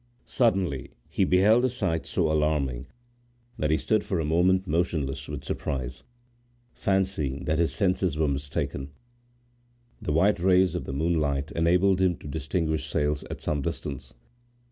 Suddenly he beheld a sight so alarming that he stood for a moment motionless with surprise, fancying that his senses were mistaken. The white rays of the moonlight enabled him to distinguish sails at some distance.